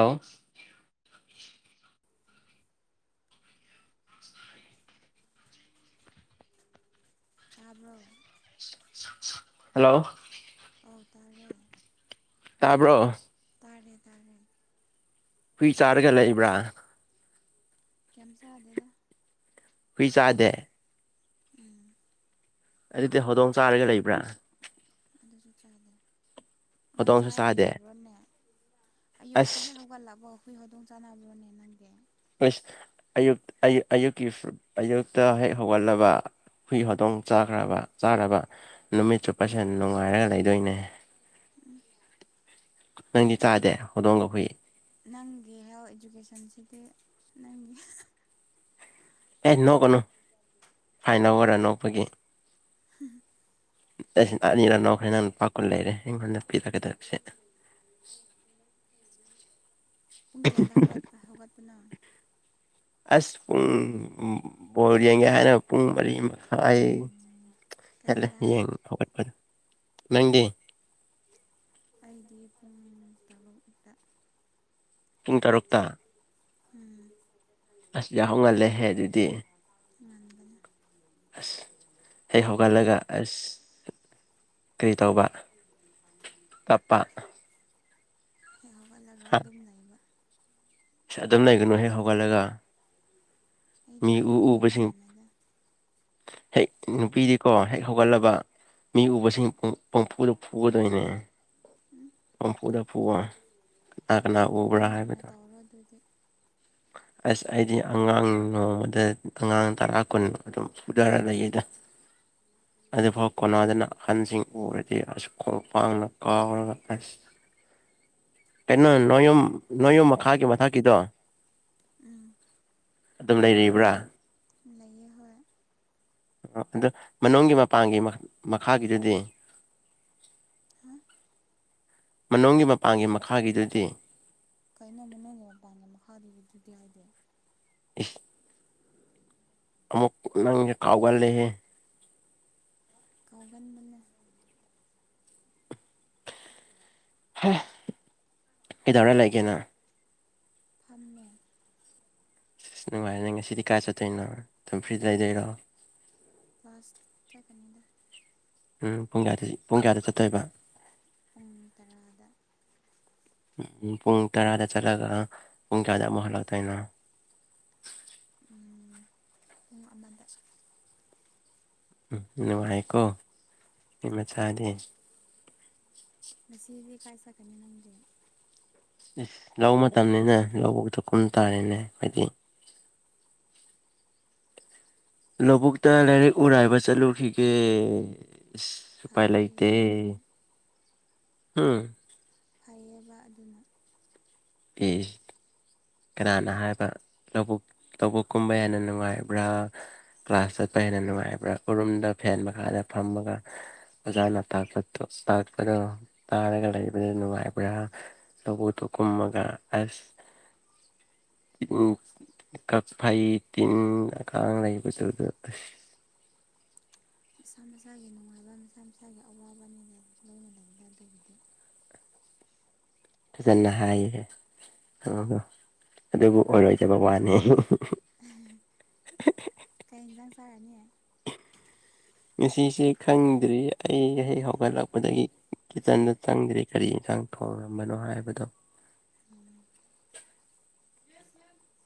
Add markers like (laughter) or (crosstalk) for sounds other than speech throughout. ꯑ (inaudible) ꯇꯥꯕ꯭ꯔꯣ ꯍꯜꯂꯣ ꯑꯣ ꯇꯥꯔꯦ ꯇꯥꯕ꯭ꯔꯣ ꯇꯥꯔꯦ ꯇꯥꯔꯦ ꯀꯔꯤ ꯆꯥꯔꯒ ꯂꯩꯕ꯭ꯔꯥ ꯀꯌꯤꯝ ꯆꯥꯗꯦꯗ ꯍꯨꯏ ꯆꯥꯗꯦ ꯎꯝ ꯑꯗꯨꯗꯤ ꯍꯧꯗꯣꯡ ꯆꯥꯔꯒ ꯂꯩꯕ꯭ꯔꯥ ꯑꯗꯨꯁꯨ ꯆꯥꯗꯦ ꯅꯪ ꯍꯧꯗꯣꯡꯁꯨ ꯆꯥꯔꯒ ꯆꯥꯗꯦ ꯂꯩꯕ꯭ꯔꯣꯅꯦ ꯑꯌꯨꯛꯇ ꯑꯁ ꯍꯦꯛ ꯍꯧꯒꯠꯂꯛꯕ ꯍꯨꯏ ꯍꯧꯗꯣꯡ ꯆꯥꯅꯕ꯭ꯔꯣꯅꯦ ꯅꯪꯗꯤ (unintelligible) ꯑꯌꯨ ꯑꯌꯨ ꯑꯌꯨꯛꯀꯤ ꯑꯌꯨꯛꯇ ꯍꯦꯛ ꯍꯧꯒꯠꯂꯕ ꯍꯨꯏ ꯍꯧꯗꯣꯡ ꯆꯥꯈ꯭ꯔꯕ ꯆꯥꯔꯕ ꯅꯨꯃꯤꯠ ꯆꯨꯞꯄꯁꯦ ꯅꯨꯡꯉꯥꯏꯔꯒ ꯂꯩꯗꯣꯏꯅꯦ ꯅꯪꯗꯤ ꯑꯩꯗꯤ ꯆꯥꯗꯦ ꯍꯧꯗꯣꯡꯒ ꯍꯨꯏ ꯅꯪꯒꯤ ꯍꯦꯜ ꯏꯗꯨꯀꯦꯁꯟꯁꯤꯗꯤ ꯅꯪꯒꯤ ꯑꯦ ꯅꯣꯛꯀꯅꯨ ꯍꯥꯏꯅ (unintelligible) ꯅꯣꯛꯄꯒꯤ ꯑꯩꯁꯤ ꯑꯅꯤꯔꯛ ꯅꯣꯛꯈ꯭ꯔꯦ ꯅꯪꯅ ꯂꯨꯄꯥꯀꯨꯟ ꯂꯩꯔꯦ ꯑꯩꯉꯣꯟꯗ ꯄꯤꯔꯛꯀꯗꯞꯁꯦ ꯄꯨꯡ ꯀꯌꯥꯗ ꯍꯧꯒꯠ ꯍꯧꯒꯠꯄꯅꯣ ꯑꯁ ꯄꯨꯡ ꯕꯣꯜ ꯌꯦꯡꯒꯦ ꯍꯥꯏꯅ ꯄꯨꯡ ꯃꯔꯤ ꯃꯈꯥꯏ ꯍꯠꯂꯦ ꯀꯌꯥꯗ ꯍꯥꯏꯕ ꯌꯦꯡ ꯍꯧꯒꯠꯄ ꯅꯪꯗꯤ ꯑꯩꯗꯤ ꯄꯨꯡ ꯇꯔꯨꯛꯇ ꯄꯨꯡ ꯇꯔꯨꯛꯇ ꯎꯝ ꯑꯁ ꯌꯥꯍꯧꯉꯜꯂꯦꯍꯦ ꯑꯗꯨꯗꯤ ꯉꯟꯕꯅꯤ ꯑꯁ ꯍꯦꯛ ꯍꯧꯒꯠꯂꯒ ꯑꯁ ꯀꯔꯤ ꯇꯧꯕ ꯀꯞꯄ ꯍꯦꯛ ꯍꯧꯒꯠꯂꯒ ꯑꯗꯨꯝ ꯂꯩꯕ ꯑꯗꯨꯝ ꯂꯩꯒꯅꯨ ꯍꯦꯛ ꯍꯧꯒꯠꯂꯒ ꯑꯩꯗꯤ ꯃꯤ ꯑꯗꯨꯝ ꯎ ꯂꯩꯕ ꯎꯕꯁꯤꯡ ꯄꯥꯝꯃꯦꯗ ꯍꯦꯛ ꯅꯨꯄꯤꯗꯤꯀꯣ ꯍꯦꯛ ꯍꯧꯒꯠꯂꯕ ꯃꯤ ꯎꯕꯁꯤꯡ ꯄꯪ ꯄꯪꯐꯨꯗ ꯐꯨꯒꯗꯣꯏꯅꯦ ꯎꯝ ꯄꯪꯐꯨꯗ ꯐꯨꯑꯣ ꯀꯅꯥ ꯀꯅꯥ ꯎꯕ꯭ꯔꯥ ꯍꯥꯏꯕꯗ ꯍꯧꯔꯣ ꯑꯗꯨꯗꯤ ꯑꯁ ꯑꯩꯗꯤ ꯑꯉꯥꯡ ꯅꯣꯡꯃꯗ ꯑꯉꯥꯡ ꯇꯔꯥ ꯀꯨꯟ ꯑꯗꯨꯝ ꯐꯨꯗꯥꯔꯥ ꯂꯩꯌꯦꯗ ꯑꯗꯨꯐꯥꯎ ꯀꯣꯅꯥꯗꯅ ꯑꯍꯟꯁꯤꯡ ꯎꯔꯗꯤ ꯑꯁ ꯈꯣꯡꯄꯥꯛꯅ ꯀꯥꯎꯔꯒ ꯑꯁ ꯀꯩꯅꯣ ꯅꯣꯏꯌꯨꯝ ꯅꯣꯏꯌꯨꯝ ꯃꯈꯥꯒꯤ ꯃꯊꯛꯀꯤꯗꯣ ꯎꯝ ꯑꯗꯨꯝ ꯂꯩꯔꯤꯕ꯭ꯔꯥ ꯂꯩꯌꯦ ꯍꯣꯏ ꯑꯣ ꯑꯗꯣ ꯃꯅꯨꯡꯒꯤ ꯃꯄꯥꯟꯒꯤ ꯃꯈꯥꯒꯤꯗꯨꯗꯤ ꯍꯥ ꯃꯅꯨꯡꯒꯤ ꯃꯄꯥꯟꯒꯤ ꯃꯈꯥꯒꯤꯗꯨꯗꯤ ꯀꯩꯅꯣ ꯃꯅꯨꯡꯒꯤ ꯃꯄꯥꯟꯒꯤ ꯃꯈꯥꯒꯤꯗꯨꯗꯤ ꯍꯥꯏꯗꯤ (unintelligible) ꯑꯃꯨꯛ ꯅꯪꯖꯦ ꯀꯥꯎꯒꯜꯂꯦꯍꯦ ꯀꯥꯎꯒꯟꯕꯅꯦ ꯍꯦ ꯀꯩꯗꯧꯔꯥ ꯂꯩꯒꯦ ꯅꯪ ꯐꯝꯃꯦ ꯑꯁ ꯅꯨꯡꯉꯥꯏꯅꯦ ꯅꯪ ꯉꯁꯤꯗꯤ ꯀꯥꯏ ꯆꯠꯇꯣꯏꯅꯣ ꯑꯗꯨꯝ ꯐ꯭ꯔꯤꯗ ꯂꯩꯗꯣꯏꯔꯣ ꯀ꯭ꯂꯥꯁ ꯆꯠꯀꯅꯤꯗ ꯎꯝ ꯄꯨꯡ ꯀꯌꯥꯗ ꯄꯨꯡ ꯀꯌꯥꯗ ꯆꯠꯇꯣꯏꯕ ꯄꯨꯡ ꯇꯔꯥꯗ ꯎꯝ ꯄꯨꯡ ꯇꯔꯥꯗ ꯆꯠꯂꯒ ꯄꯨꯡ ꯀꯌꯥꯗ ꯑꯃꯨꯛ ꯍꯜꯂꯛꯇꯣꯏꯅꯣ ꯄꯨꯡ ꯑꯃꯗ ꯎꯝ ꯅꯨꯡꯉꯥꯏꯀꯣ ꯃꯤ ꯃꯆꯥꯗꯤ ꯉꯁꯤꯗꯤ ꯀꯥꯏ ꯆꯠꯀꯅꯤ ꯅꯪꯗꯤ ꯏꯁ ꯂꯧ ꯃꯇꯝꯅꯤꯅ ꯂꯧꯕꯨꯛꯇ ꯀꯨꯝ ꯇꯥꯔꯦꯅꯦ ꯈꯣꯏꯗꯤ ꯂꯧꯕꯨꯛꯇ ꯂꯥꯏꯔꯤꯛ ꯎꯔꯥꯏꯕ ꯆꯠꯂꯨꯈꯤꯒꯦ ꯑꯁ ꯎꯄꯥꯥꯏ ꯂꯩꯇꯦ ꯐꯩꯌꯦ ꯑꯗꯨꯅ ꯍꯨꯝ ꯐꯩꯌꯦꯕ ꯑꯗꯨꯅ ꯏꯁ ꯀꯅꯥꯅ ꯍꯥꯏꯕ ꯂꯧꯕꯛ ꯂꯧꯕꯨꯛꯀꯨꯝꯕ ꯍꯦꯟꯅ ꯅꯨꯡꯉꯥꯏꯕ꯭ꯔꯥ ꯀ꯭ꯂꯥꯁ ꯆꯠꯄ ꯍꯦꯟꯅ ꯅꯨꯡꯉꯥꯏꯕ꯭ꯔꯥ ꯎꯔꯨꯝꯗ ꯐꯦꯟ ꯃꯈꯥꯗ ꯐꯝꯃꯒ ꯑꯣꯖꯥꯅ ꯇꯥꯛꯄꯇꯣ ꯇꯥꯛꯄꯗꯣ ꯇꯥꯔꯒ ꯂꯩꯕꯗꯣ ꯅꯨꯡꯉꯥꯏꯕ꯭ꯔꯥ ꯂꯧꯕꯨꯛꯇ ꯀꯨꯝꯃꯒ ꯑꯁ ꯇꯤꯟ ꯀꯥꯛꯐꯩ ꯇꯤꯟ ꯀꯥꯡ ꯂꯩꯕꯗꯨꯗ ꯑꯁ ꯃꯁꯥ ꯃꯁꯥꯒꯤ ꯅꯨꯡꯉꯥꯏꯕ ꯃꯁꯥ ꯃꯁꯥꯒꯤ ꯑꯋꯥꯕꯅꯤꯅ ꯂꯣꯏꯅ ꯂꯩꯗ ꯑꯗꯨꯕꯨꯗꯤ ꯐꯖꯅ ꯍꯥꯏꯔꯦ (unintelligible) ꯑꯗꯨꯕꯨ ꯑꯣꯏꯔꯣꯏꯗꯕ ꯋꯥꯅꯦ ꯀꯩ ꯏꯟꯖꯥꯡ ꯆꯥꯔꯅꯤ ꯉꯁꯤꯁꯦ ꯈꯪꯗ꯭ꯔꯤꯌꯦ ꯑꯩ ꯍꯦꯛ ꯍꯧꯒꯠꯂꯛꯄꯗꯒꯤ ꯀꯤꯠꯆꯟꯗ ꯆꯪꯗ꯭ꯔꯤ ꯀꯔꯤ ꯏꯟꯁꯥꯡ ꯊꯣꯡꯉꯝꯕꯅꯣ ꯍꯥꯏꯕꯗꯣ ꯎꯝ (unintelligible)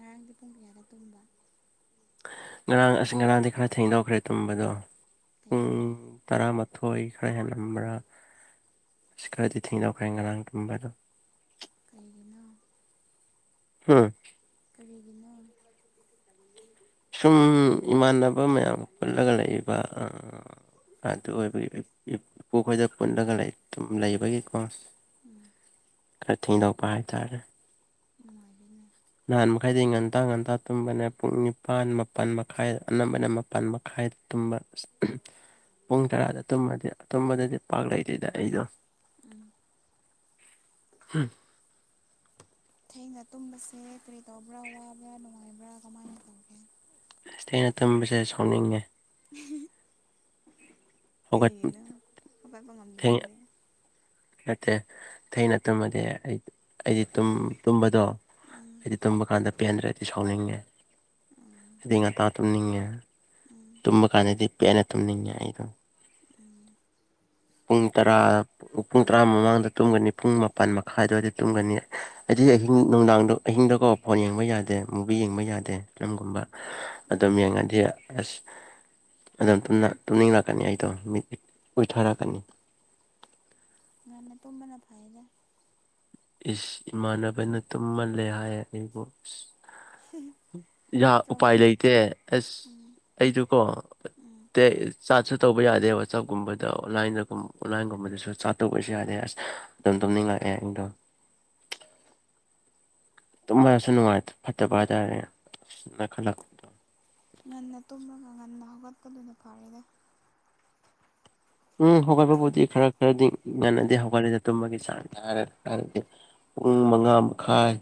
ꯉꯔꯥꯡꯗꯤ ꯄꯨꯡ ꯀꯌꯥꯗ ꯇꯨꯝꯕ ꯉꯔꯥꯡ ꯑꯁ ꯉꯔꯥꯡꯗꯤ ꯈꯔ ꯊꯦꯡꯗꯣꯛꯈ꯭ꯔꯦ ꯇꯨꯝꯕꯗꯣ ꯄꯨꯡ ꯀꯩꯒꯤ ꯇꯔꯥꯃꯥꯊꯣꯏ ꯈꯔ ꯍꯦꯜꯂꯝꯕ꯭ꯔꯥ ꯑꯁ ꯈꯔꯗꯤ ꯊꯦꯡꯗꯣꯛꯈ꯭ꯔꯦ ꯉꯔꯥꯡ ꯇꯨꯝꯕꯗꯣ ꯀꯩꯒꯤꯅꯣ ꯍꯨꯝ ꯀꯔꯤꯒꯤꯅꯣ ꯁꯨꯝ ꯏꯃꯥꯟꯅꯕ ꯃꯌꯥꯝ ꯄꯨꯜꯂꯒ ꯂꯩꯏꯕ ꯑꯗꯨ ꯑꯣꯏꯕꯒꯤ ꯏꯄꯨꯈꯣꯏꯗ ꯄꯨꯜꯂꯒ ꯗꯨꯝ ꯂꯩꯕꯒꯤꯀꯣ ꯎꯝ ꯈꯔ ꯊꯦꯡꯗꯣꯛꯄ ꯍꯥꯏꯇꯥꯔꯦ ꯅꯨꯡꯉꯥꯏ (unintelligible) ꯅꯍꯥꯟ ꯃꯈꯩꯗꯤ ꯉꯟꯇꯥ ꯉꯟꯇꯥ ꯇꯨꯝꯕꯅꯦ ꯄꯨꯡ ꯅꯤꯄꯥꯟ ꯃꯥꯄꯟ ꯃꯈꯥꯏ ꯑꯅꯝꯕꯅ ꯃꯥꯄꯟ ꯃꯈꯥꯏ ꯇꯨꯝꯕ ꯄꯨꯡ ꯇꯔꯥꯗ ꯇꯨꯝꯃꯗꯤ ꯇꯨꯝꯕꯗꯗꯤ ꯄꯥꯛ ꯂꯩꯇꯦꯗ ꯑꯩꯗꯣ ꯎꯝ (unintelligible) ꯊꯦꯡꯅ ꯇꯨꯝꯕꯁꯦ ꯀꯔꯤ ꯇꯧꯕ꯭ꯔ ꯋꯥꯕ꯭ꯔꯥ ꯅꯨꯡꯉꯥꯏꯕ꯭ꯔꯥ ꯀꯃꯥꯏꯅ ꯇꯧꯒꯦ ꯑꯁ ꯊꯦꯡꯅ ꯇꯨꯝꯕꯁꯦ ꯁꯥꯎꯅꯤꯡꯉꯦ (unintelligible) ꯍꯧꯒꯠ ꯀꯩꯒꯤꯅ ꯍꯧꯒꯠꯄ ꯊꯦꯡꯅ ꯉꯝꯗꯕꯒꯤ ꯅꯠꯇꯦ ꯊꯦꯡꯅ ꯇꯨꯝꯃꯗꯤ ꯑꯩ ꯑꯩꯗꯤ ꯇꯨꯝꯕꯗꯣ ꯑꯩꯗꯤ ꯇꯨꯝꯕ ꯀꯥꯟꯗ ꯄꯦꯟꯗ꯭ꯔꯦꯗꯤ ꯁꯥꯎꯅꯤꯡꯉꯦ ꯑꯩꯗꯤ ꯉꯟꯇꯥ ꯇꯨꯝꯅꯤꯡꯉꯦ ꯇꯨꯝꯕ ꯀꯥꯟꯗꯗꯤ ꯄꯦꯟꯅ ꯇꯨꯝꯅꯤꯡꯉꯦ ꯑꯩꯗꯣ ꯎꯝ ꯄꯨꯡ ꯇꯔꯥ ꯄꯨꯡ ꯇꯔꯥ ꯃꯃꯥꯡꯗ ꯇꯨꯝꯒꯅꯤ ꯄꯨꯡ ꯃꯥꯄꯟ ꯃꯈꯥꯏ ꯑꯗ꯭ꯋꯥꯏꯗ ꯇꯨꯝꯒꯅꯤ ꯑꯩꯗꯤ ꯑꯍꯤꯡ ꯅꯨꯡꯗꯥꯡꯗꯣ ꯑꯍꯤꯡꯗꯀꯣ ꯐꯣꯟ ꯌꯦꯡꯕ ꯌꯥꯗꯦ ꯃꯨꯚꯤ ꯌꯦꯡꯕ ꯌꯥꯗꯦ ꯐꯤꯂꯝꯒꯨꯝꯕ ꯑꯗꯨꯝ ꯌꯦꯡꯉꯗꯤ ꯑꯁ ꯑꯗꯨꯝ ꯇꯨꯝꯅꯤꯡꯉꯛꯀꯅꯤ ꯑꯩꯗꯣ ꯎꯏꯊꯔꯛꯀꯅꯤ꯫ ꯉꯟꯅ ꯇꯨꯝꯕꯅ ꯐꯥꯏꯗꯦ꯫ ꯏꯁ ꯏꯃꯥꯟꯅꯕꯅ ꯇꯨꯝꯃꯜꯂꯦ ꯍꯥꯏ ꯑꯩꯕꯨ꯫ ꯐꯠꯇ꯭ꯔꯣ ꯎꯄꯥꯏ ꯂꯩꯇꯦ ꯑꯁ ꯑꯩꯗꯨꯀꯣ꯫ ꯆꯥꯠꯁꯨ ꯇꯧꯕ ꯌꯥꯗꯦ ꯋꯥꯆꯞꯀꯨꯝꯕꯗ ꯑꯣꯟꯂꯥꯏꯟꯗꯒꯨꯝ ꯑꯣꯟꯂꯥꯏꯟꯒꯨꯝꯕꯗꯁꯨ ꯆꯥꯠ ꯇꯧꯕꯁꯨ ꯌꯥꯗꯦ ꯑꯁ꯫ ꯑꯗꯨꯝ ꯇꯨꯅꯤꯡ ꯉꯛꯑ ꯑꯩꯗꯣ꯫ ꯇꯨꯝꯃꯔꯁꯨ ꯅꯨꯡꯉꯥꯏꯇꯦ ꯐꯠꯇꯕ ꯍꯥꯏꯇꯥꯔꯦ ꯑꯅ ꯈꯜꯂꯛꯄ꯫ ꯉꯟꯅ ꯇꯨꯝꯃꯒ ꯉꯟꯅ ꯍꯧꯒꯠꯄꯗꯨꯅ ꯐꯔꯦꯗ꯫ ꯎꯝ ꯍꯧꯒꯠꯄꯕꯨꯗꯤ ꯈꯔ ꯈꯔꯗꯤ ꯉꯥꯟꯅꯗꯦ ꯍꯧꯒꯠꯂꯤꯅ ꯇꯨꯝꯕꯒꯤ ꯆꯥꯡ ꯍꯥꯏꯔꯦ ꯍꯥꯏꯔꯗꯤ꯫ ꯄꯨꯡ ꯃꯉꯥ ꯃꯈꯥꯏ꯫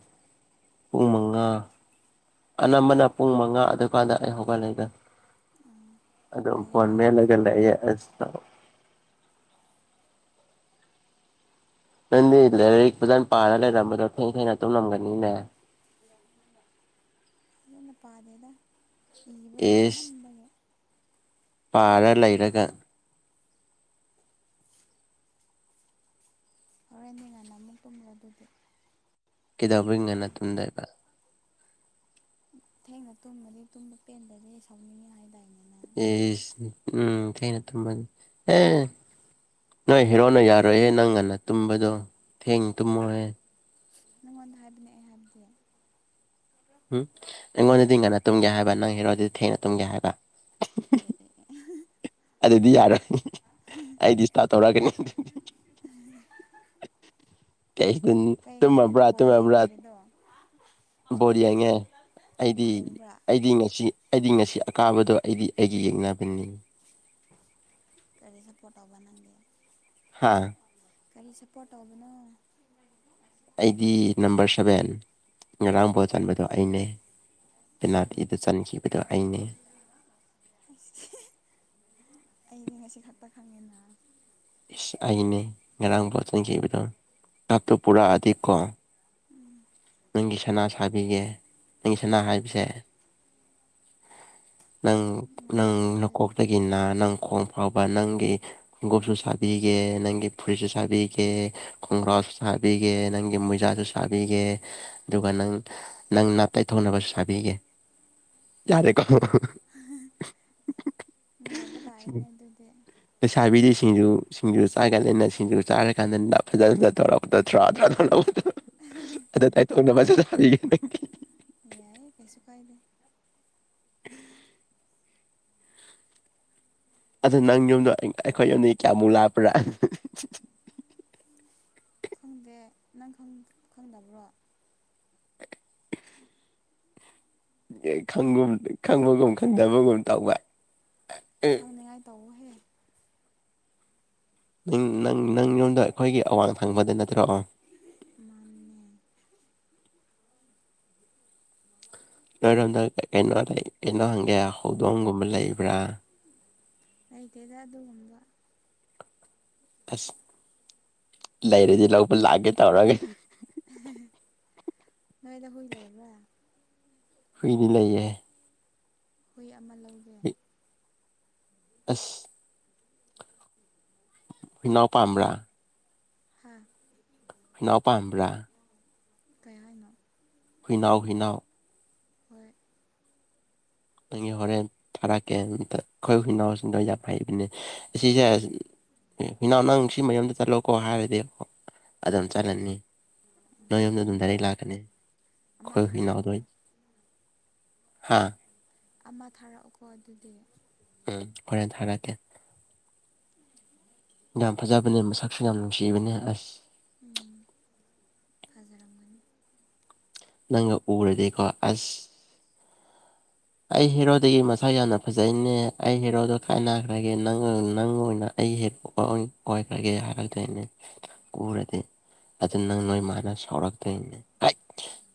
ꯄꯨꯡ ꯃꯉꯥ꯫ ꯑꯅꯝꯕꯅ ꯄꯨꯡ ꯃꯉꯥ ꯑꯗꯨꯀꯥꯟꯗ ꯑꯩ ꯍꯧꯒꯠꯂꯦꯗ꯫ ꯑꯗꯣ ꯐꯣꯟ ꯉꯜꯂꯤꯅ ꯑꯗꯨꯗꯤ ꯃꯦꯂꯒ ꯂꯩꯑꯦ꯫ ꯅꯪꯗꯤ ꯂꯥꯏꯔꯤꯛ ꯐꯖꯅ ꯄꯥꯔꯒ ꯂꯩꯔꯝꯕꯗꯣ ꯊꯦꯡ ꯊꯦꯡꯅ ꯇꯨꯝꯂꯝꯒꯅꯤꯅꯦ꯫ ꯐꯖꯅ ꯄꯥꯗꯦꯗ ꯏꯕꯒꯤ ꯏꯁ ꯌꯥꯝꯃꯟꯕꯒꯤ꯫ ꯄꯥꯔ ꯂꯩꯔꯒ꯫ ꯍꯣꯔꯦꯟꯗꯤ ꯉꯅ ꯑꯃꯨꯛ ꯇꯨꯝꯔꯦ ꯑꯗꯨꯗꯤ꯫ ꯀꯩꯗꯧꯕꯩ ꯉꯟꯅ ꯇꯨꯝꯗꯣꯏꯕ꯫ ꯊꯦꯡꯅ ꯇꯨꯝꯃꯗꯤ ꯇꯨꯝꯕ ꯄꯦꯟꯗꯗꯤ ꯁꯥꯎꯅꯤꯡꯉꯦ ꯍꯥꯏꯇꯥꯏꯅꯦ ꯅꯪ꯫ ꯑꯁ ꯎꯝ ꯊꯦꯡꯅ ꯇꯨꯝꯕꯅꯤ ꯑꯦ꯫ ꯅꯣꯏ ꯍꯦꯔꯣꯅ ꯌꯥꯔꯣꯏꯑꯦ ꯅꯪ ꯉꯟꯅ ꯇꯨꯝꯕꯗꯣ ꯊꯦꯡ ꯇꯨꯝꯃꯣ ꯍꯥꯏ꯫ ꯉꯣꯟꯗ ꯍꯥꯏꯕꯅꯤ ꯑꯩ ꯍꯥꯏꯕ ꯅꯠꯇꯦ꯫ ꯎꯝ ꯑꯩꯉꯣꯟꯗꯗꯤ ꯉꯟꯅ ꯇꯨꯝꯒꯦ ꯍꯥꯏꯕ ꯅꯪ ꯍꯦꯔꯣꯗꯗꯤ ꯊꯦꯡꯅ ꯇꯨꯝꯒꯦ ꯍꯥꯏꯕ꯫ (unintelligible) ꯑꯗꯨꯗꯤ ꯌꯥꯔꯣꯏ ꯑꯩ ꯗꯤꯁꯇꯔ ꯇꯧꯔꯛꯑꯅꯤ꯫ (unintelligible) ꯀꯩ ꯀꯩꯒꯤꯅꯣ ꯅꯪꯗꯤ ꯇꯨꯝꯃꯕ꯭ꯔꯥ ꯕꯣꯜ ꯇꯨꯝꯃꯕ꯭ꯔꯥ꯫ ꯌꯦꯡꯗꯕꯤꯗꯣ ꯕꯣꯔ ꯌꯥꯡꯉꯦ ꯑꯩꯗꯤ ꯌꯦꯡꯕ꯭ꯔꯥ ꯑꯩꯗꯤ ꯉꯁꯤ꯫ ꯑꯩꯗꯤ ꯉꯁꯤ ꯑꯀꯥꯕꯗꯣ ꯑꯩꯗꯤ ꯑꯩꯒꯤ ꯌꯦꯛꯅꯕꯅꯦ꯫ ꯀꯔꯤ ꯁꯄꯣꯠ ꯇꯧꯕ ꯅꯪꯗꯤ꯫ ꯍꯥꯥ꯫ ꯀꯔꯤ ꯁꯥꯄꯣꯔꯠ ꯇꯧꯕꯅꯣ꯫ ꯁꯤ (unintelligible) (inaudible) ꯑꯩꯗꯤ ꯅꯝꯕꯔ ꯁꯚꯦꯟ ꯉꯔꯥꯡ ꯕꯣꯜ ꯆꯟꯕꯗꯣ ꯑꯩꯅꯦ꯫ ꯄꯦꯅꯥꯇꯤꯗ ꯆꯟꯈꯤꯕꯗꯣ ꯑꯩꯅꯦ꯫ (unintelligible) (inaudible) ꯑꯩꯗꯤ ꯉꯁꯤ ꯈꯛꯇ ꯈꯪꯉꯦꯅ꯫ ꯏꯁ ꯑꯩꯅꯦ ꯉꯔꯥꯡ ꯕꯣꯜ ꯆꯪꯈꯤꯕꯗꯣ ꯀꯞꯇꯣ ꯄꯨꯔꯛꯑꯗꯤ ꯀꯣ꯫ ꯅꯪꯒꯤ ꯁꯅꯥ ꯁꯥꯕꯤꯒꯦ ꯅꯪꯒꯤ ꯁꯅꯥ ꯍꯣꯏ ꯍꯣꯏ ꯍꯥꯏꯕꯁꯦ꯫ ꯅꯪ ꯅꯪ ꯉꯥꯏꯔꯒꯦ ꯑꯗꯨꯗꯤ ꯅꯀꯣꯛꯇꯒꯤꯅ ꯅꯪ ꯈꯣꯡ ꯐꯥꯎꯕ ꯅꯪꯒꯤ꯫ ꯒꯣꯞꯁꯨ ꯁꯥꯕꯤꯒꯦ ꯅꯪꯒꯤ ꯐꯨꯔꯤꯠꯁꯨ ꯁꯥꯕꯤꯒꯦ꯫ ꯈꯣꯡꯒ꯭ꯔꯥꯎꯁꯨ ꯁꯥꯕꯤꯒꯦ ꯅꯪꯒꯤ ꯃꯣꯏꯖꯥꯁꯨ ꯁꯥꯕꯤꯒꯦ꯫ ꯑꯗꯨꯒ ꯅꯪ ꯅꯪ ꯅꯥꯞ ꯇꯥꯏꯊꯣꯛꯅꯕꯁꯨ ꯁꯥꯕꯤꯒꯦ ꯌꯥꯔꯦꯀꯣ꯫ ꯍ (unintelligible) (inaudible) ꯅꯨꯡꯉꯥꯏꯕ ꯇꯥꯔꯦꯅꯦ ꯑꯗꯨꯗꯤ꯫ ꯂꯩꯁꯥꯕꯤꯗꯤ ꯁꯤꯡꯖꯨ ꯁꯤꯡꯖꯨ ꯆꯥꯒꯅꯤꯅ ꯁꯤꯡꯖꯨ ꯆꯥꯔꯀꯥꯟꯗ ꯇꯞꯇꯧꯔꯄ꯫ ꯊꯔꯥ ꯇꯔꯥ ꯊ ꯂꯧꯕ ꯑꯗꯨ ꯇꯥꯏꯇꯣ ꯃꯁꯨ ꯁꯥꯕꯤꯒꯦ ꯅꯪꯒꯤ꯫ ꯌꯥꯏ ꯀꯩꯁꯨ ꯀꯥꯏꯗꯦ꯫ (unintelligible) (inaudible) ꯑꯗꯣ ꯅꯪ ꯌꯨꯝꯗꯣ ꯑꯩꯈꯣꯏ ꯌꯨꯝꯗꯒꯤ ꯀꯌꯥꯃꯨꯛ ꯂꯥꯛꯞꯄ꯭ꯔꯥ꯫ ꯈꯪꯗꯦ ꯅꯪ ꯈꯪꯗꯕ꯭ꯔꯣ ꯑꯦ ꯈꯪꯒꯨꯝ ꯈꯪꯕꯒꯨꯝ ꯈꯪꯗꯕꯒꯨꯝ ꯇꯥꯎꯕ ꯅꯤꯡꯉꯥꯏ ꯇꯧꯕꯍꯦ ꯅꯪ ꯅꯪ ꯅꯪ ꯌꯣꯟꯗ ꯑꯩꯈꯣꯏꯒꯤ ꯑꯋꯥꯡ ꯊꯪꯕꯗ ꯅꯠꯇ꯭ꯔꯣ ꯑꯣ ꯃꯥꯅꯦ ꯅꯣꯏꯔꯣꯝꯗ ꯀꯩꯅꯣ ꯀꯩꯅꯣ ꯍꯪꯒꯦ ꯍꯧꯗꯣꯡꯒꯨꯝꯕ ꯂꯩꯕ꯭ꯔꯥ ꯂꯩꯇꯦꯗ ꯑꯗꯨꯒꯨꯝꯕ ꯑꯁ ꯂꯩꯔꯗꯤ ꯂꯧꯕ ꯂꯥꯛꯑꯒꯦ ꯇꯧꯔꯒ ꯅꯣꯏꯗ ꯍꯨꯏ ꯂꯩꯕ꯭ꯔ ꯍꯨꯅꯗꯤ ꯂꯩꯥꯏꯌꯦ ꯍꯨꯏ ꯑꯃ ꯂꯧꯒꯦ ꯑꯁ (unintelligible) (inaudible) ꯍꯨꯏꯅꯥꯎ ꯄꯝ꯭ꯔ (inaudible) (unintelligible) ꯍꯥꯥ (unintelligible) (inaudible) ꯍꯩꯅꯎꯄꯥꯥꯝꯕ꯭ꯔꯥ ꯀꯩ ꯍꯥꯏꯅꯣ ꯍꯨꯏꯅꯥꯎ ꯍꯨꯏꯅꯎ (inaudible) (unintelligible) ꯍꯣꯏ ꯅꯪꯒꯤ ꯍꯣꯔꯦꯟ ꯊꯥꯔꯛꯀꯦꯇ ꯑꯩꯈꯣꯏ ꯍꯨꯅꯥꯎ ꯗꯎ ꯌꯥꯝ ꯍꯩꯕꯅꯦ ꯑꯁꯤꯁꯦ ꯏꯅꯥꯎ ꯅꯪ ꯁꯤ ꯃꯌꯨꯝꯗ ꯆꯠꯂꯣꯀꯣ ꯍꯥꯏꯔꯗꯤ ꯑꯗꯨꯝ ꯆꯠꯂꯅꯤ ꯅꯣꯏ ꯌꯨꯝꯗ ꯑꯗꯨꯝ ꯑꯃ ꯗꯥꯏꯔꯦꯛ ꯂꯥꯛꯀꯅꯤ ꯑꯃ ꯈꯣꯏ ꯍꯨꯏ ꯊꯥꯔꯛꯑꯣ ꯅꯥꯎꯗꯣꯏ ꯍꯥ ꯑꯃ ꯊꯥꯔꯛꯑꯣꯀꯣ ꯑꯗꯨꯗꯤ ꯎꯝ ꯍꯣꯔꯦꯟ ꯊꯔꯥꯛ ꯀꯦ ꯌꯥꯝ ꯐꯖꯥꯕꯅꯦ ꯃꯁꯛ ꯁꯨ ꯅꯥꯝ ꯂꯅꯨꯡꯁꯤꯕꯅꯦ ꯑꯁ ꯎꯝ ꯐꯖꯔꯝꯒꯅꯤ ꯅꯪꯒ ꯎꯔꯗꯤꯀꯣ ꯑꯁ ꯑꯩ ꯍꯦꯔꯣꯗꯒꯤ ꯃꯁꯥ ꯌꯥꯝꯅ ꯐꯖꯩꯅꯦ ꯑꯩ ꯍꯦꯔꯣꯗꯣ ꯀꯥꯏꯅꯈ꯭ꯔꯒꯦ ꯅꯪ ꯅꯪ ꯑꯣꯏꯅ ꯑꯩ ꯍꯦꯔꯣꯛ (inaudible) (inaudible) ꯀꯨꯔꯗꯤ ꯑꯗꯨ ꯅꯪ ꯅꯣꯏ ꯃꯥꯅ ꯁꯥꯎꯔꯛꯇꯣꯏꯅꯦ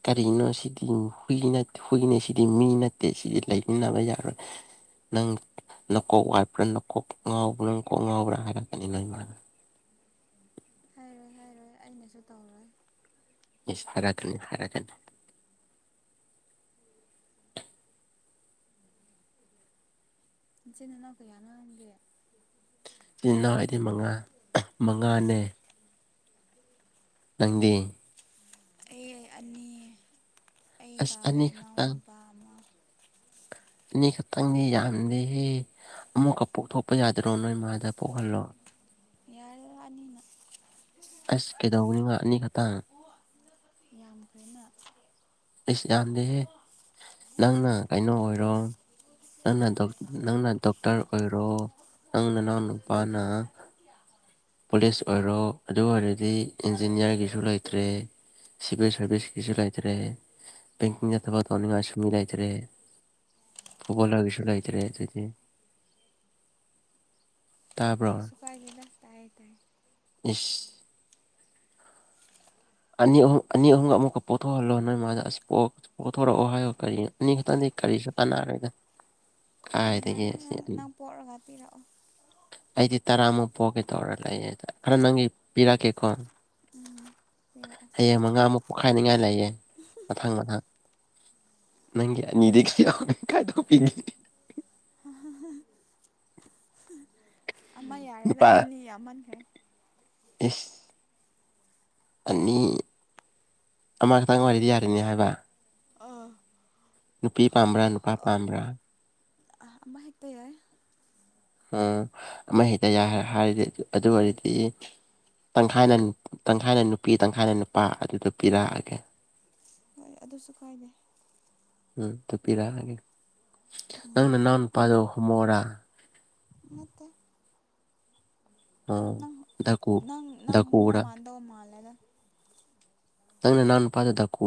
ꯀꯔꯤꯅꯣ ꯁꯤꯗꯤ ꯍꯨꯏ ꯍꯨꯏꯅꯦ ꯁꯤꯗꯤ ꯃꯤ ꯅꯠꯇꯦ ꯦꯁꯤꯗꯤ ꯂꯩꯃꯤꯟꯅꯕ ꯌꯥꯔꯣꯏ (inaudible) (unintelligible) ꯅꯪ ꯅꯀꯣꯛ ꯋꯥꯏꯠꯄ꯭ꯔꯥ ꯅꯀꯣꯛ ꯉꯥꯎꯕ꯭ꯔ ꯅꯪ ꯀꯣꯛ ꯉꯥꯎꯕ꯭ꯔꯥ ꯍꯥꯏꯔꯛꯀꯅꯤ ꯂꯣꯏꯦ (inaudible) ꯍꯥꯏꯔꯣꯏ ꯍꯥꯏꯔꯣꯏ ꯑꯩꯅꯁꯨ ꯇꯧꯔꯣꯏ ꯏꯁ ꯍꯥꯏꯔꯛꯀꯅꯤ ꯍꯥꯏꯔꯛꯀꯅꯤ ꯏꯆꯤꯟ ꯏꯅꯥꯎ ꯀꯌꯥꯅꯣ ꯅꯪꯗꯤ ꯏꯆꯤꯟꯜ ꯅꯣꯏ ꯏꯅꯥꯎ ꯍꯥꯏꯗꯤ ꯃꯉꯥ ꯃꯉꯥꯅꯦ ꯅꯪꯗꯤ ꯑꯩ ꯑꯅꯤ ꯑꯁ ꯑꯩꯒ ꯑꯅꯤ ꯈꯛꯇꯪ ꯏꯅꯥꯎꯅꯨꯄꯥ ꯑꯃ ꯑꯅꯤ ꯈꯛꯇꯪꯗꯤ ꯌꯥꯝꯗꯦꯍꯦ ꯑꯃꯨꯛꯀ ꯄꯣꯛꯊꯣꯛꯄ ꯌꯥꯗꯔꯣ ꯅꯣꯏ ꯃꯥꯗ ꯄꯣꯛꯍꯜꯂꯣ ꯌꯥꯔ ꯑꯅꯤꯅ ꯑꯁ ꯀꯩꯗꯧꯕꯅꯤ ꯉ ꯑꯅꯤꯈꯛꯇꯪ ꯌꯥꯝ ꯈꯔꯦꯅ ꯏꯁ ꯌꯥꯝꯗꯦꯍꯦ ꯅꯪꯅ ꯀꯩꯅꯣ ꯑꯣꯏꯔꯣ ꯅꯪꯅ ꯅꯪꯅ ꯗꯣꯛꯇꯔ ꯑꯣꯏꯔꯣ ꯅꯪꯅ ꯅꯪꯎ ꯅꯨꯄꯥꯅ (unintelligible) ꯄꯨꯂꯤꯁ ꯑꯣꯏꯔꯣ ꯑꯗꯨ ꯑꯣꯏꯔꯗꯤ ꯏꯟꯖꯤꯅꯤꯌꯥꯔꯒꯤꯁꯨ ꯂꯩꯇ꯭ꯔꯦ ꯁꯤꯚꯜ ꯁꯔꯚꯤꯁꯀꯤꯁꯨ ꯂꯥꯏꯇꯔꯦ (unintelligible) ꯂꯩꯇꯔꯦ ꯐꯨꯕꯣꯜ ꯂꯒꯁꯨꯂꯥꯏꯇꯔꯦ ꯇꯥꯕꯔꯣ ꯀꯩꯁꯨ ꯇꯥꯏꯌꯦ ꯇꯥꯏ ꯏꯁ ꯑꯅꯤ ꯑꯍꯨꯝ ꯑꯅꯤ ꯑꯍꯨꯝꯒ ꯑꯃꯨꯛꯀ ꯄꯨꯊꯣꯛꯍꯜꯂꯣ ꯅꯣꯏ ꯃꯥꯗ ꯑꯁꯤ ꯄꯣꯛ ꯄꯨꯊꯣꯔꯛꯑꯣ ꯍꯥꯏꯌꯣ ꯀꯔꯤꯅꯣ ꯑꯅꯤ ꯈꯛꯇꯪꯗꯤ ꯀꯔꯤꯁꯨ ꯇꯥꯟꯅꯔꯦꯅ ꯀꯥꯏꯗꯒꯤ ꯌꯥꯔꯦ ꯅꯪ ꯑꯅꯤ, ꯅꯪ ꯄꯣꯛꯑꯒ ꯄꯤꯔꯛꯑꯣ ꯑꯩꯗꯤ ꯇꯔꯥꯃꯨꯛ ꯄꯣꯛꯒꯦ ꯇꯧꯔ ꯂꯩꯅꯦꯗ ꯈꯔ ꯅꯪꯒꯤ ꯄꯤꯔꯛꯀꯦꯀꯣ ꯎꯝ ꯍꯌꯦꯡ ꯃꯉꯥꯃꯨꯛ ꯄꯣꯛꯈꯥꯏꯅꯤꯉꯥꯏ ꯂꯩꯌꯦ ꯃꯊꯪ ꯃꯊꯪ ꯅꯪꯒꯤ ꯑꯅꯤꯗꯤ ꯌꯥꯎꯔꯒꯥ ꯀꯥꯏ ꯇꯣꯛꯄꯤꯅꯤ ꯑꯃ ꯌꯥꯔꯦꯗ ꯅꯨꯄꯥ ꯑꯅꯤ ꯌꯥꯃꯟꯈ꯭ꯔꯦ ꯏꯁ ꯑꯅꯤ ꯑꯃꯈꯛꯇꯪ ꯋꯥꯔꯤꯗꯤ ꯌꯥꯔꯤꯅꯤ ꯍꯥꯏꯕ ꯑꯥ ꯅꯨꯄꯤ ꯄꯥꯝꯕ꯭ꯔꯥ ꯅꯨꯄꯥ ꯄꯥꯝꯕ꯭ꯔꯥ ꯃꯥ ꯍꯦꯛꯛꯇ ꯌꯥꯏ ꯎꯝ ꯑꯃ ꯍꯦꯛꯇ ꯌꯥꯦ ꯍꯥꯏꯔꯗꯤ ꯑꯗꯨ ꯑꯣꯏꯔꯗꯤ ꯇꯪꯈꯥꯏꯅ ꯇꯪꯈꯥꯏꯅ ꯅꯨꯄꯤ ꯇꯪꯈꯥꯏꯅ ꯅꯨꯄꯥ ꯑꯗꯨꯗꯣ ꯄꯤꯔꯛꯑꯒꯦ ꯍꯣꯏ ꯑꯗꯨꯁꯨ ꯀꯥꯏꯗꯩ ꯎꯝ ꯇꯄꯤꯔꯛꯑꯒꯦ ꯅꯪ ꯅꯅꯥꯎ ꯅꯨꯄꯥꯗꯣ ꯍꯣꯃꯣꯔꯥ ꯅꯠꯇꯦ ꯑ ꯗꯥꯀꯨ ꯃ ꯃꯥꯥꯟꯗ ꯃꯥꯂꯦꯒ (unintelligible) ꯅꯪ ꯅꯅꯥꯎ ꯅꯨꯄꯥꯗꯨ ꯗꯥꯀꯨ